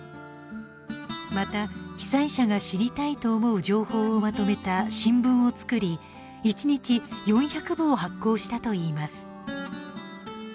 また、被災者が知りたいと思う情報をまとめた新聞を作り、一日４００部を発行したといいます。